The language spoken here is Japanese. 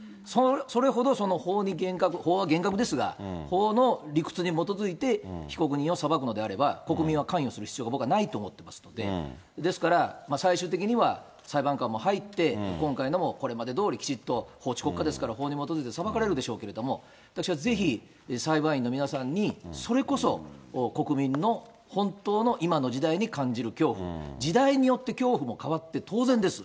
それほどその法に厳格、法は厳格ですが、法の理屈に基づいて被告人を裁くのであれば、国民は関与する必要が僕はないと思っていますので、ですから、最終的には裁判官も入って、今回のこれまでとおりきちっと法治国家ですから、法に基づいて裁かれるでしょうけれども、私はぜひ裁判員の皆さんに、それこそ国民の本当の今の時代に感じる恐怖、時代によって恐怖も変わって当然です。